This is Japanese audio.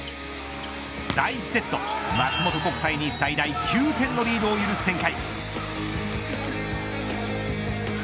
第１セット、松本国際に最大９点のリードを許す展開。